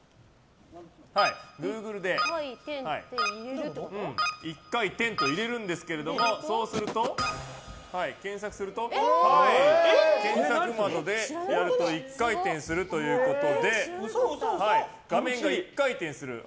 グーグルで「一回転」と入れるんですけど検索すると、検索窓でやると一回転するということで画面が一回転する。